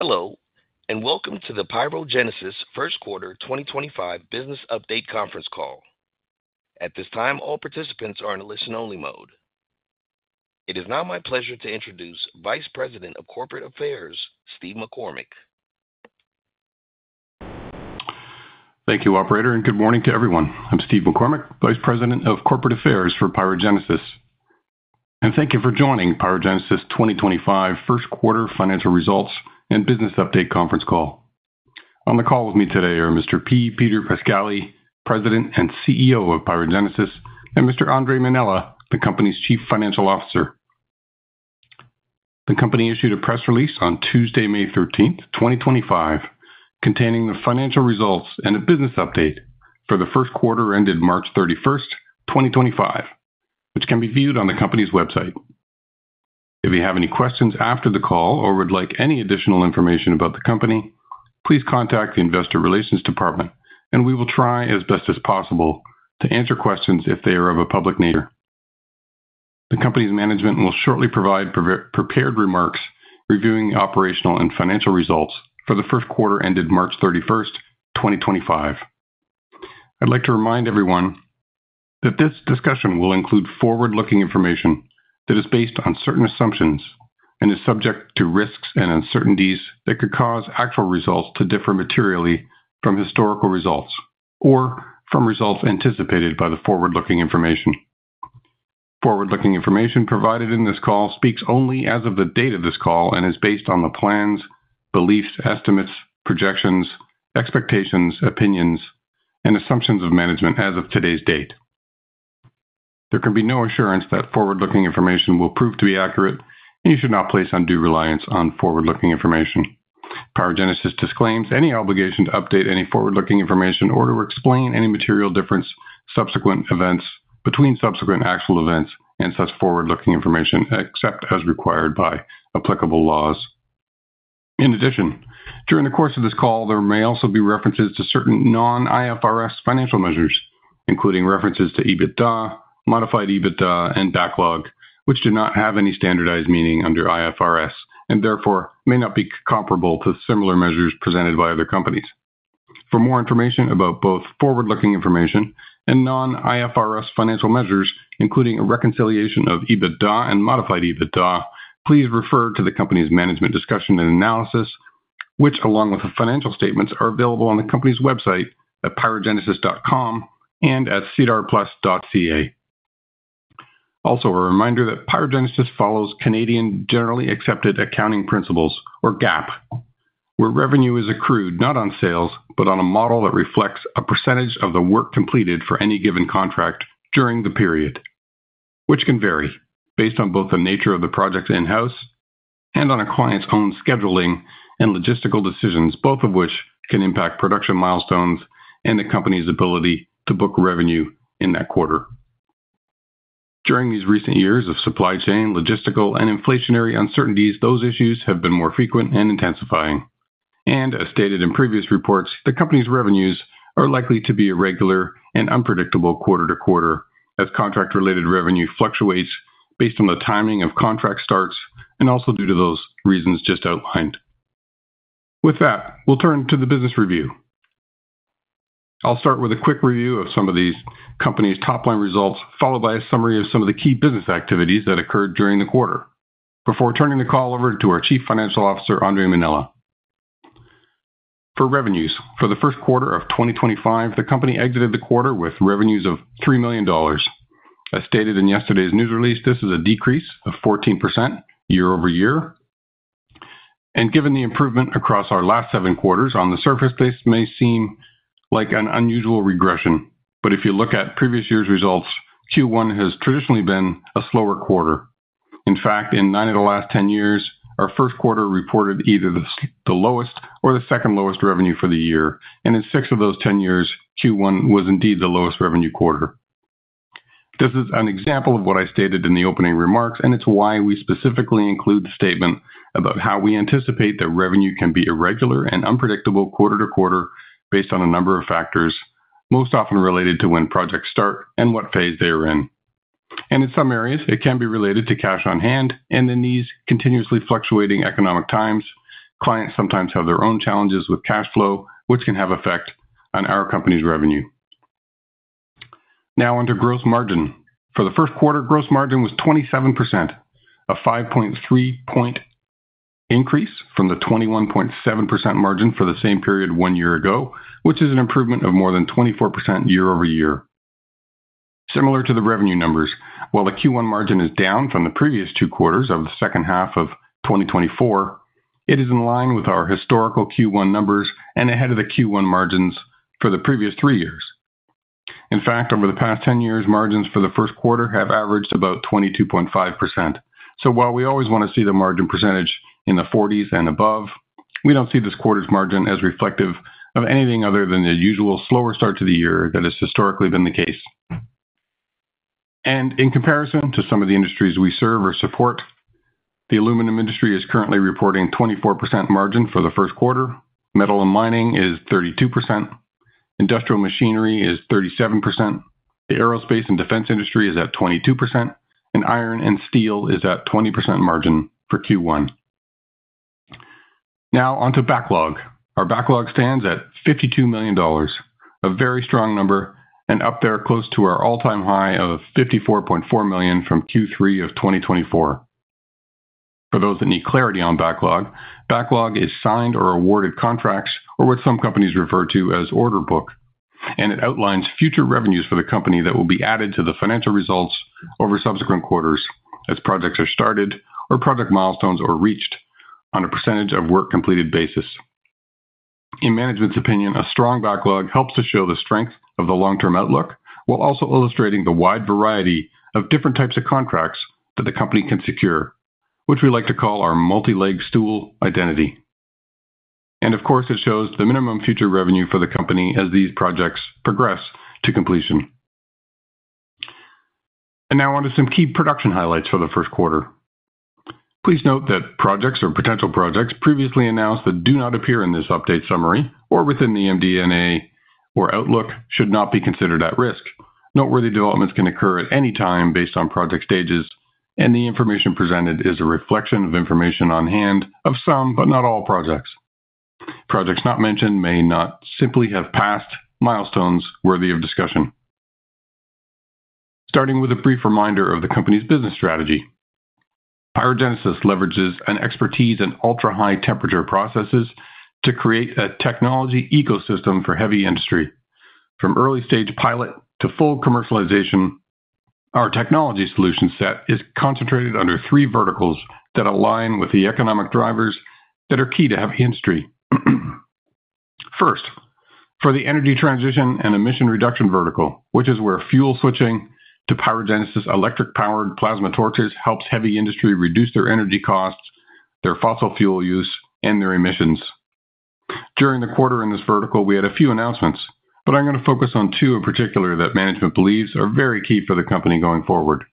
Hello, and welcome to the PyroGenesis First Quarter 2025 Business Update Conference Call. At this time, all participants are in a listen-only mode. It is now my pleasure to introduce Vice President of Corporate Affairs, Steve McCormick. Thank you, Operator, and good morning to everyone. I'm Steve McCormick, Vice President of Corporate Affairs for PyroGenesis. Thank you for joining PyroGenesis 2025 First Quarter Financial Results and Business Update Conference Call. On the call with me today are Mr. P. Peter Pascali, President and CEO of PyroGenesis, and Mr. Andre Mainella, the company's Chief Financial Officer. The company issued a press release on Tuesday, May 13th 2025, containing the financial results and a Business Update for the first quarter ended March 31st 2025, which can be viewed on the company's website. If you have any questions after the call or would like any additional information about the company, please contact the Investor Relations Department, and we will try as best as possible to answer questions if they are of a public nature. The company's management will shortly provide prepared remarks reviewing operational and financial results for the first quarter ended March 31, 2025. I'd like to remind everyone that this discussion will include forward-looking information that is based on certain assumptions and is subject to risks and uncertainties that could cause actual results to differ materially from historical results or from results anticipated by the forward-looking information. Forward-looking information provided in this call speaks only as of the date of this call and is based on the plans, beliefs, estimates, projections, expectations, opinions, and assumptions of management as of today's date. There can be no assurance that forward-looking information will prove to be accurate, and you should not place undue reliance on forward-looking information. PyroGenesis disclaims any obligation to update any forward-looking information or to explain any material difference between subsequent actual events and such forward-looking information, except as required by applicable laws. In addition, during the course of this call, there may also be references to certain non-IFRS financial measures, including references to EBITDA, modified EBITDA, and backlog, which do not have any standardized meaning under IFRS and therefore may not be comparable to similar measures presented by other companies. For more information about both forward-looking information and non-IFRS financial measures, including a reconciliation of EBITDA and modified EBITDA, please refer to the company's Management Discussion and Analysis, which, along with the financial statements, are available on the company's website at pyrogenesis.com and at cedarplus.ca. Also, a reminder that PyroGenesis follows Canadian Generally Accepted Accounting Principles, or GAAP, where revenue is accrued not on sales but on a model that reflects a percentage of the work completed for any given contract during the period, which can vary based on both the nature of the project in-house and on a client's own scheduling and logistical decisions, both of which can impact production milestones and the company's ability to book revenue in that quarter. During these recent years of supply chain, logistical, and inflationary uncertainties, those issues have been more frequent and intensifying. As stated in previous reports, the company's revenues are likely to be irregular and unpredictable quarter to quarter as contract-related revenue fluctuates based on the timing of contract starts and also due to those reasons just outlined. With that, we'll turn to the business review. I'll start with a quick review of some of the company's top-line results, followed by a summary of some of the key business activities that occurred during the quarter, before turning the call over to our Chief Financial Officer, Andre Mainella. For revenues, for the first quarter of 2025, the company exited the quarter with revenues of $3 million. As stated in yesterday's News Release, this is a decrease of 14% year-over-year. Given the improvement across our last seven quarters, on the surface, this may seem like an unusual regression. If you look at previous year's results, Q1 has traditionally been a slower quarter. In fact, in nine of the last 10 years, our first quarter reported either the lowest or the second lowest revenue for the year. In six of those 10 years, Q1 was indeed the lowest revenue quarter. This is an example of what I stated in the opening remarks, and it is why we specifically include the statement about how we anticipate that revenue can be irregular and unpredictable quarter to quarter based on a number of factors, most often related to when projects start and what phase they are in. In some areas, it can be related to cash on hand and in these continuously fluctuating economic times, clients sometimes have their own challenges with cash flow, which can have an effect on our company's revenue. Now, onto gross margin. For the first quarter, gross margin was 27%, a 5.3 point increase from the 21.7% margin for the same period one year ago, which is an improvement of more than 24% year-over-year. Similar to the revenue numbers, while the Q1 margin is down from the previous two quarters of the second half of 2024, it is in line with our historical Q1 numbers and ahead of the Q1 margins for the previous three years. In fact, over the past 10 years, margins for the first quarter have averaged about 22.5%. While we always want to see the margin percentage in the 40s and above, we do not see this quarter's margin as reflective of anything other than the usual slower start to the year that has historically been the case. In comparison to some of the industries we serve or support, the aluminum industry is currently reporting a 24% margin for the first quarter. Metal and mining is 32%. Industrial machinery is 37%. The aerospace and defense industry is at 22%. Iron and steel is at a 20% margin for Q1. Now, onto backlog. Our backlog stands at $52 million, a very strong number, and up there close to our all-time high of $54.4 million from Q3 of 2024. For those that need clarity on backlog, backlog is signed or awarded contracts, or what some companies refer to as order book. It outlines future revenues for the company that will be added to the financial results over subsequent quarters as projects are started or project milestones are reached on a percentage of work completed basis. In management's opinion, a strong backlog helps to show the strength of the long-term outlook while also illustrating the wide variety of different types of contracts that the company can secure, which we like to call our multi-leg stool identity. It shows the minimum future revenue for the company as these projects progress to completion. Now, onto some key production highlights for the first quarter. Please note that projects or potential projects previously announced that do not appear in this update summary or within the MD&A or outlook should not be considered at risk. Noteworthy developments can occur at any time based on project stages, and the information presented is a reflection of information on hand of some, but not all projects. Projects not mentioned may not simply have passed milestones worthy of discussion. Starting with a brief reminder of the company's business strategy, PyroGenesis leverages an expertise in ultra-high temperature processes to create a technology ecosystem for heavy industry. From early-stage pilot to full commercialization, our technology solution set is concentrated under three verticals that align with the economic drivers that are key to heavy industry. First, for the energy transition and emission reduction vertical, which is where fuel switching to PyroGenesis electric-powered Plasma Torches helps heavy industry reduce their energy costs, their fossil fuel use, and their emissions. During the quarter in this vertical, we had a few announcements, but I'm going to focus on two in particular that management believes are very key for the company going forward.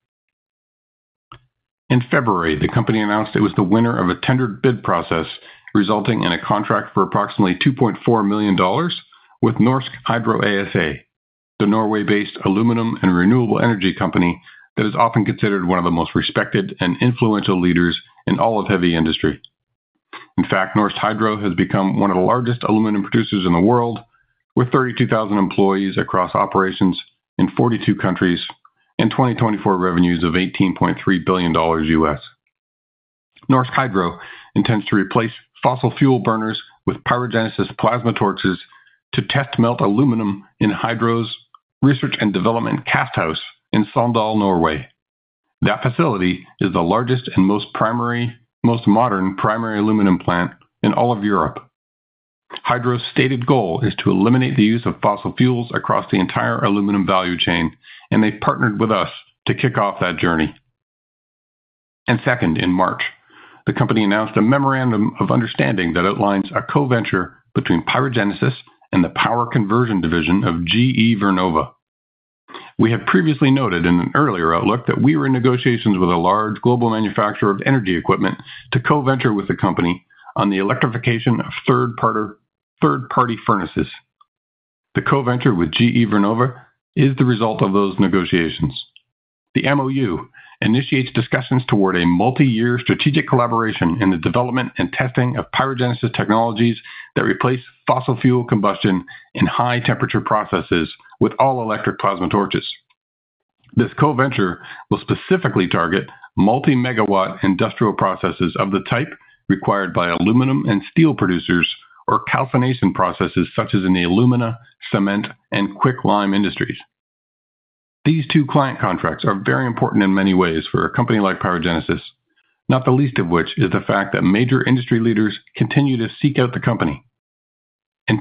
In February, the company announced it was the winner of a tender bid process resulting in a contract for approximately $2.4 million with Norsk Hydro ASA, the Norway-based aluminum and renewable energy company that is often considered one of the most respected and influential leaders in all of heavy industry. In fact, Norsk Hydro ASA has become one of the largest aluminum producers in the world, with 32,000 employees across operations in 42 countries and 2024 revenues of $18.3 billion U.S.. Norsk Hydro ASA intends to replace fossil fuel burners with PyroGenesis Plasma Torches to test melt aluminum in Hydro's research and development cast house in Sandal, Norway. That facility is the largest and most modern primary aluminum plant in all of Europe. Hydro's stated goal is to eliminate the use of fossil fuels across the entire aluminum value chain, and they partnered with us to kick off that journey. In March, the company announced a memorandum of understanding that outlines a co-venture between PyroGenesis and the power conversion division of GE Vernova. We had previously noted in an earlier outlook that we were in negotiations with a large global manufacturer of energy equipment to co-venture with the company on the electrification of third-party furnaces. The co-venture with GE Vernova is the result of those negotiations. The MOU initiates discussions toward a multi-year strategic collaboration in the development and testing of PyroGenesis technologies that replace fossil fuel combustion in high-temperature processes with all-electric Plasma Torches. This co-venture will specifically target multi-MW industrial processes of the type required by aluminum and steel producers or calcination processes such as in the alumina, cement, and quick lime industries. These two client contracts are very important in many ways for a company like PyroGenesis, not the least of which is the fact that major industry leaders continue to seek out the company.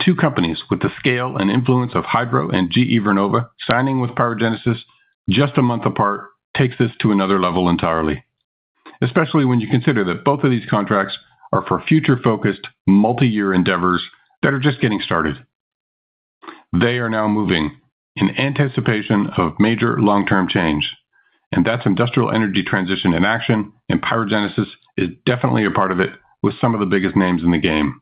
Two companies with the scale and influence of Norsk Hydro ASA and GE Vernova signing with PyroGenesis just a month apart takes this to another level entirely, especially when you consider that both of these contracts are for future-focused multi-year endeavors that are just getting started. They are now moving in anticipation of major long-term change, and that is industrial energy transition in action, and PyroGenesis is definitely a part of it with some of the biggest names in the game.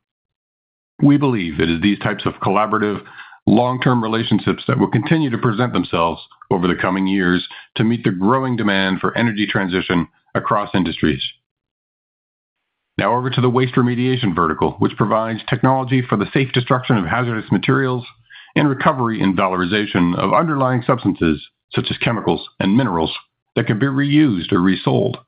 We believe it is these types of collaborative long-term relationships that will continue to present themselves over the coming years to meet the growing demand for energy transition across industries. Now, over to the waste remediation vertical, which provides technology for the safe destruction of hazardous materials and recovery and valorization of underlying substances such as chemicals and minerals that can be reused or resold.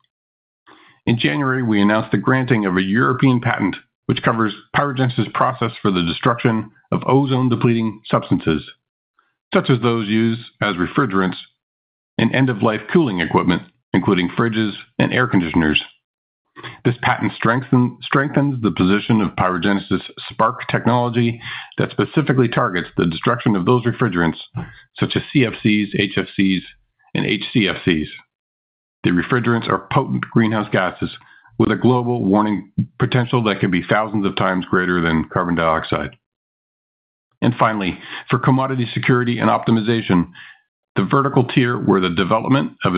In January, we announced the granting of a European patent which covers PyroGenesis' process for the destruction of ozone-depleting substances, such as those used as refrigerants and end-of-life cooling equipment, including fridges and air conditioners. This patent strengthens the position of PyroGenesis Sparc technology that specifically targets the destruction of those refrigerants such as CFCs, HFCs, and HCFCs. The refrigerants are potent greenhouse gases with a Global Warming Potential that can be thousands of times greater than carbon dioxide. Finally, for commodity security and optimization, the vertical tier where the development of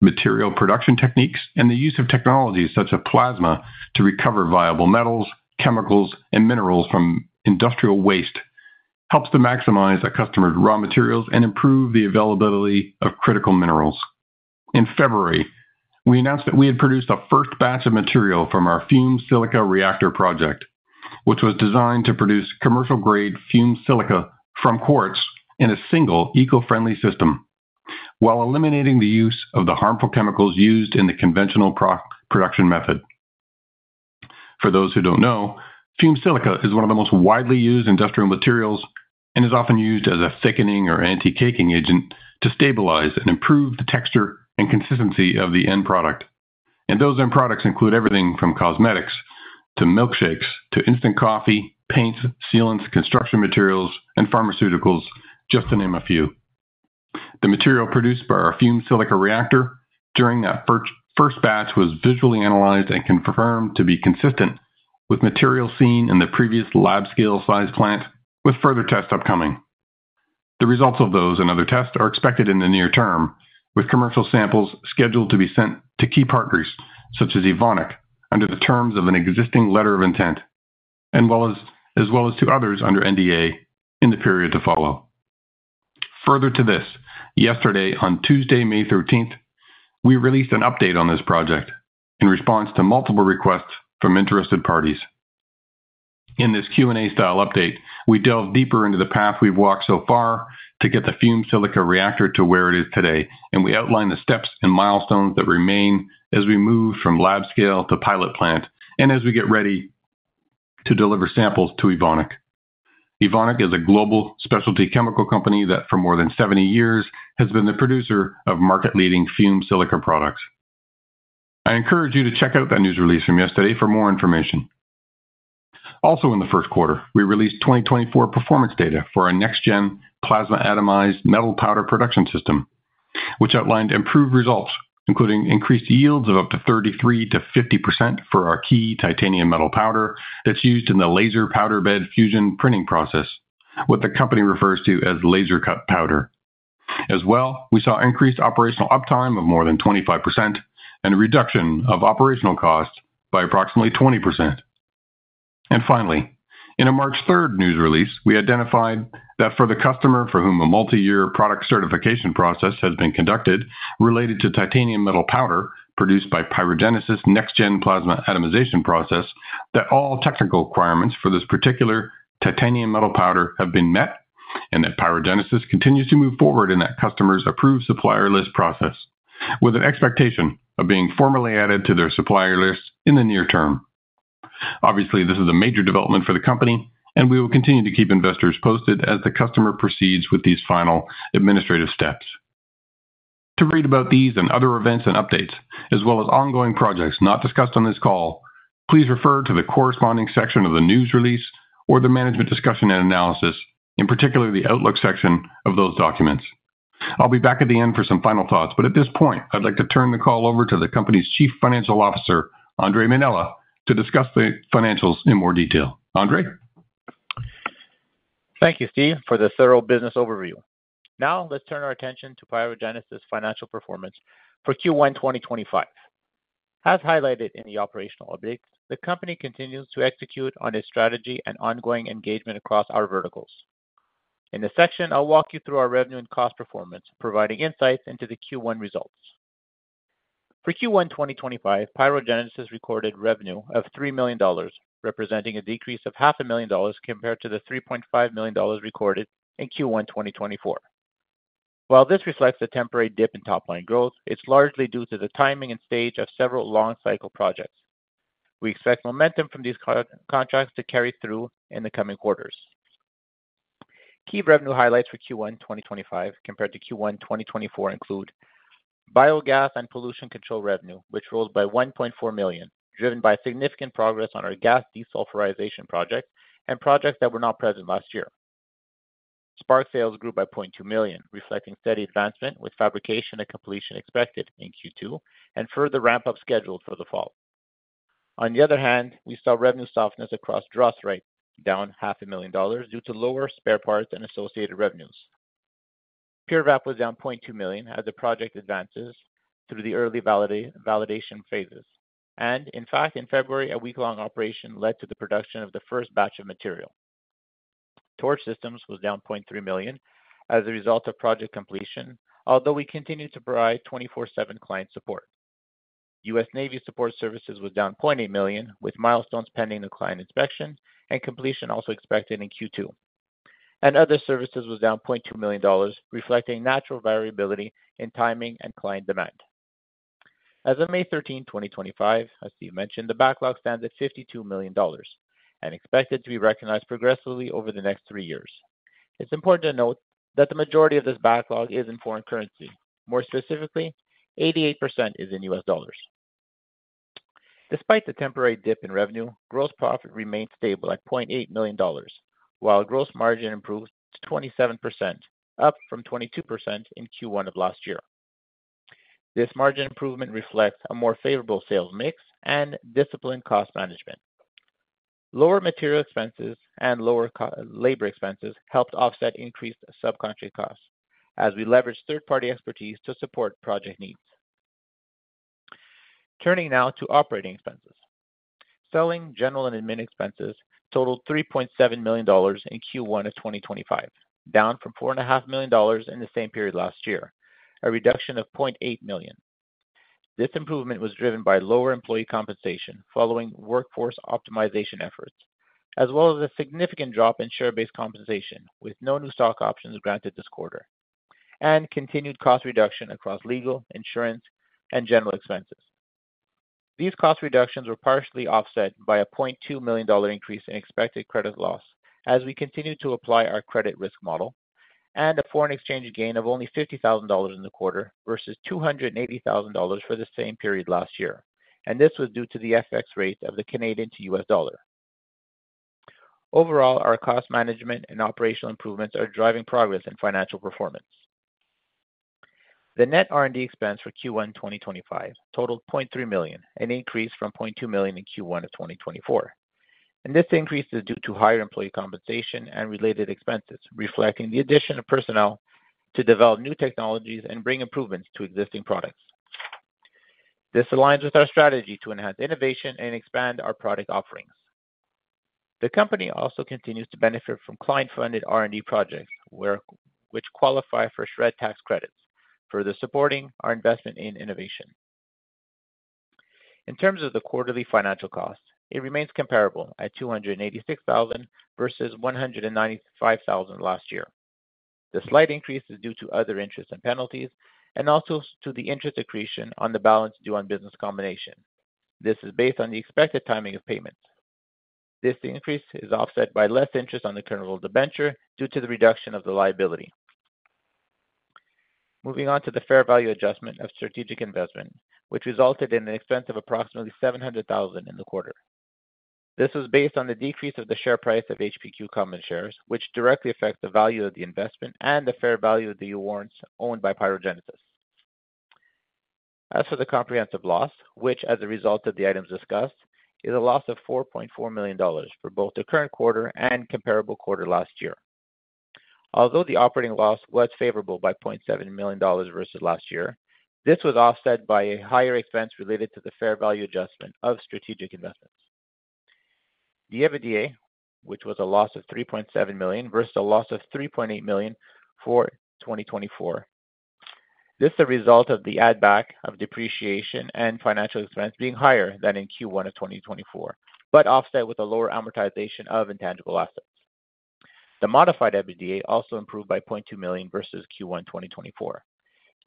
advanced material production techniques and the use of technologies such as plasma to recover viable metals, chemicals, and minerals from industrial waste helps to maximize a customer's raw materials and improve the availability of Critical Minerals. In February, we announced that we had produced a first batch of material from our Fumed Silica Reactor project, which was designed to produce commercial-grade Fumed Silica from quartz in a single eco-friendly system while eliminating the use of the harmful chemicals used in the conventional production method. For those who do not know, Fumed Silica is one of the most widely used industrial materials and is often used as a thickening or anti-caking agent to stabilize and improve the texture and consistency of the end product. Those end products include everything from cosmetics to milkshakes to instant coffee, paints, sealants, construction materials, and pharmaceuticals, just to name a few. The material produced by our Fumed Silica Reactor during that first batch was visually analyzed and confirmed to be consistent with material seen in the previous lab-scale size plant, with further tests upcoming. The results of those and other tests are expected in the near term, with commercial samples scheduled to be sent to key partners such as Evonik under the terms of an existing Letter of Intent, as well as to others under NDA in the period to follow. Further to this, yesterday, on Tuesday, May 13th, we released an update on this project in response to multiple requests from interested parties. In this Q&A-style update, we delve deeper into the path we've walked so far to get the Fumed Silica Reactor to where it is today, and we outline the steps and milestones that remain as we move from lab-scale to pilot plant and as we get ready to deliver samples to Evonik. Evonik is a global specialty chemical company that for more than 70 years has been the producer of market-leading Fumed Silica products. I encourage you to check out that News Release from yesterday for more information. Also, in the first quarter, we released 2024 performance data for our next-gen plasma-atomized metal powder production system, which outlined improved results, including increased yields of up to 33%-50% for our key titanium metal powder that's used in the laser powder bed fusion printing process, what the company refers to as laser-cut powder. As well, we saw increased operational uptime of more than 25% and a reduction of operational costs by approximately 20%. Finally, in a March 3rd News Release, we identified that for the customer for whom a multi-year product certification process has been conducted related to titanium metal powder produced by PyroGenesis' next-gen plasma atomization process, that all technical requirements for this particular titanium metal powder have been met and that PyroGenesis continues to move forward in that customer's approved supplier list process, with an expectation of being formally added to their supplier list in the near term. Obviously, this is a major development for the company, and we will continue to keep investors posted as the customer proceeds with these final administrative steps. To read about these and other events and updates, as well as ongoing projects not discussed on this call, please refer to the corresponding section of the News Release or the management discussion and analysis, in particular the outlook section of those documents. I'll be back at the end for some final thoughts, but at this point, I'd like to turn the call over to the company's Chief Financial Officer, Andre Mainella, to discuss the financials in more detail. Andre? Thank you, Steve, for the thorough business overview. Now, let's turn our attention to PyroGenesis' financial performance for Q1 2025. As highlighted in the operational updates, the company continues to execute on its strategy and ongoing engagement across our verticals. In this section, I'll walk you through our revenue and cost performance, providing insights into the Q1 results. For Q1 2025, PyroGenesis recorded revenue of $3 million, representing a decrease of $500,000 compared to the $3.5 million recorded in Q1 2024. While this reflects a temporary dip in top-line growth, it's largely due to the timing and stage of several long-cycle projects. We expect momentum from these contracts to carry through in the coming quarters. Key revenue highlights for Q1 2025 compared to Q1 2024 include biogas and pollution control revenue, which rose by 1.4 million, driven by significant progress on our Gas Desulfurization Project and projects that were not present last year. Sparc sales grew by 0.2 million, reflecting steady advancement with fabrication and completion expected in Q2 and further ramp-up scheduled for the fall. On the other hand, we saw revenue softness across DROSRITE, down 500,000 dollars due to lower spare parts and associated revenues. PUREVAP was down 0.2 million as the project advances through the early validation phases. In fact, in February, a week-long operation led to the production of the first batch of material. Torch Systems was down 0.3 million as a result of project completion, although we continue to provide 24/7 client support. U.S. Navy support services was down $0.8 million, with milestones pending the client inspection and completion also expected in Q2. Other services was down $0.2 million, reflecting natural variability in timing and client demand. As of May 13, 2025, as Steve mentioned, the backlog stands at $52 million and expected to be recognized progressively over the next three years. It's important to note that the majority of this backlog is in foreign currency. More specifically, 88% is in U.S. dollars. Despite the temporary dip in revenue, gross profit remained stable at $0.8 million, while gross margin improved to 27%, up from 22% in Q1 of last year. This margin improvement reflects a more favorable sales mix and disciplined cost management. Lower material expenses and lower labor expenses helped offset increased subcontract costs as we leveraged third-party expertise to support project needs. Turning now to operating expenses. Selling, general, and admin expenses totaled 3.7 million dollars in Q1 of 2025, down from 4.5 million dollars in the same period last year, a reduction of 0.8 million. This improvement was driven by lower employee compensation following workforce optimization efforts, as well as a significant drop in share-based compensation with no new stock options granted this quarter, and continued cost reduction across legal, insurance, and general expenses. These cost reductions were partially offset by a 0.2 million dollar increase in expected credit loss as we continued to apply our credit risk model and a foreign exchange gain of only $50,000 in the quarter versus $280,000 for the same period last year. This was due to the FX rate of the Canadian to U.S. dollar. Overall, our cost management and operational improvements are driving progress in financial performance. The net R&D expense for Q1 2025 totaled 0.3 million, an increase from 0.2 million in Q1 of 2024. This increase is due to higher employee compensation and related expenses, reflecting the addition of personnel to develop new technologies and bring improvements to existing products. This aligns with our strategy to enhance innovation and expand our product offerings. The company also continues to benefit from client-funded R&D projects, which qualify for SR&ED tax credits, further supporting our investment in innovation. In terms of the quarterly financial costs, it remains comparable at 286,000 versus 195,000 last year. The slight increase is due to other interest and penalties and also to the interest accretion on the balance due on business combination. This is based on the expected timing of payments. This increase is offset by less interest on the current rolled adventure due to the reduction of the liability. Moving on to the fair value adjustment of strategic investment, which resulted in an expense of approximately 700,000 in the quarter. This was based on the decrease of the share price of HPQ Common Shares, which directly affects the value of the investment and the fair value of the warrants owned by PyroGenesis. As for the comprehensive loss, which, as a result of the items discussed, is a loss of 4.4 million dollars for both the current quarter and comparable quarter last year. Although the operating loss was favorable by 0.7 million dollars versus last year, this was offset by a higher expense related to the fair value adjustment of strategic investments. The FADA, which was a loss of 3.7 million versus a loss of 3.8 million for 2024. This is a result of the add-back of depreciation and financial expense being higher than in Q1 2024, but offset with a lower amortization of intangible assets. The modified EBITDA also improved by $0.2 million versus Q1 2024.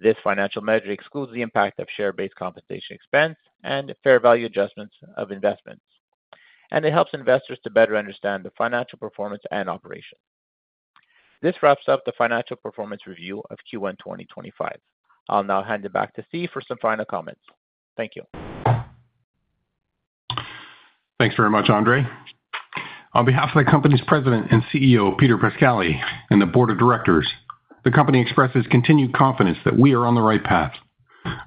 This financial measure excludes the impact of share-based compensation expense and fair value adjustments of investments. It helps investors to better understand the financial performance and operations. This wraps up the financial performance review of Q1 2025. I'll now hand it back to Steve for some final comments. Thank you. Thanks very much, Andre. On behalf of the company's President and CEO, Peter Pascali, and the board of directors, the company expresses continued confidence that we are on the right path.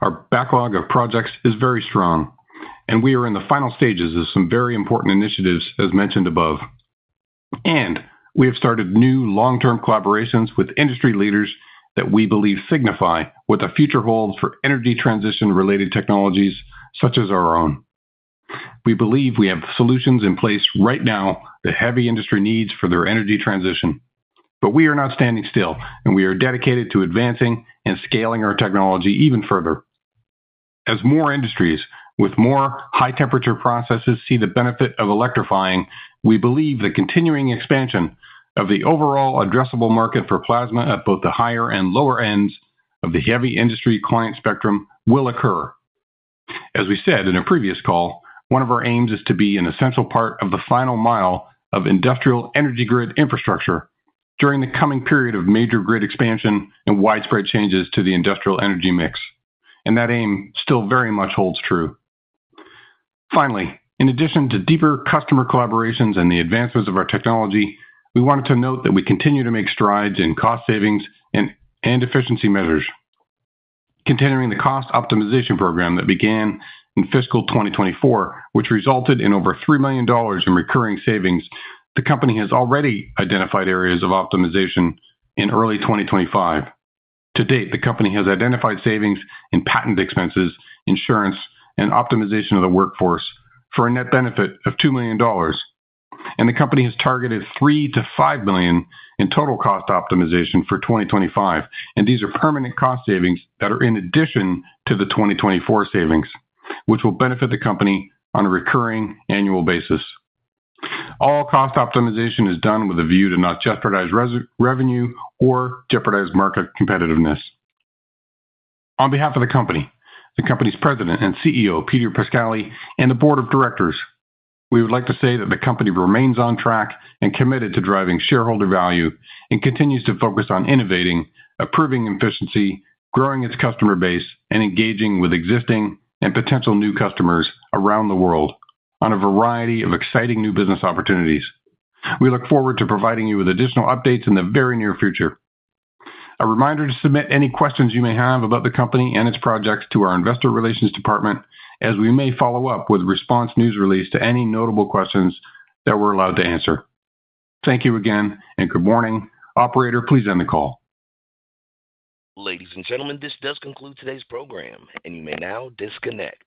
Our backlog of projects is very strong, we are in the final stages of some very important initiatives as mentioned above. We have started new long-term collaborations with industry leaders that we believe signify what the future holds for energy transition-related technologies such as our own. We believe we have solutions in place right now that heavy industry needs for their energy transition, we are not standing still, and we are dedicated to advancing and scaling our technology even further. As more industries with more high-temperature processes see the benefit of electrifying, we believe the continuing expansion of the overall addressable market for plasma at both the higher and lower ends of the heavy industry client spectrum will occur. As we said in a previous call, one of our aims is to be an essential part of the final mile of industrial energy grid infrastructure during the coming period of major grid expansion and widespread changes to the industrial energy mix. That aim still very much holds true. Finally, in addition to deeper customer collaborations and the advancements of our technology, we wanted to note that we continue to make strides in cost savings and efficiency measures. Continuing the cost optimization program that began in fiscal 2024, which resulted in over 3 million dollars in recurring savings, the company has already identified areas of optimization in early 2025. To date, the company has identified savings in patent expenses, insurance, and optimization of the workforce for a net benefit of $2 million. The company has targeted $3 million-$5 million in total cost optimization for 2025. These are permanent cost savings that are in addition to the 2024 savings, which will benefit the company on a recurring annual basis. All cost optimization is done with a view to not jeopardize revenue or jeopardize market competitiveness. On behalf of the company, the company's President and CEO, Peter Pascali, and the board of directors, we would like to say that the company remains on track and committed to driving shareholder value and continues to focus on innovating, improving efficiency, growing its customer base, and engaging with existing and potential new customers around the world on a variety of exciting new business opportunities. We look forward to providing you with additional updates in the very near future. A reminder to submit any questions you may have about the company and its projects to our investor relations department, as we may follow up with a response News Release to any notable questions that we're allowed to answer. Thank you again, and good morning. Operator, please end the call. Ladies and gentlemen, this does conclude today's program, and you may now disconnect.